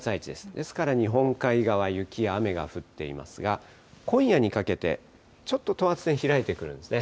ですから日本海側、雪や雨が降っていますが、今夜にかけて、ちょっと等圧線、開いてくるんですね。